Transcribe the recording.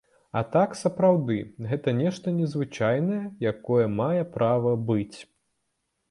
А так, сапраўды, гэта нешта незвычайнае, якое мае права быць.